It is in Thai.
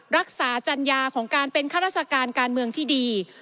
รักษาจัญญาของการเป็นข้าราชการการเมืองที่ดี